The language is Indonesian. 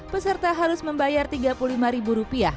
peserta harus membayar rp tiga puluh lima